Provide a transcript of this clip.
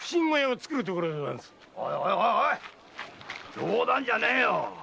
冗談じゃねぇよ。